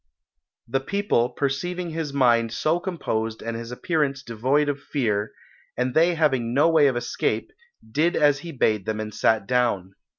The people, perceiving his mind so composed and his appearance devoid of fear, and they having no way of escape, did as he bade them and sat down.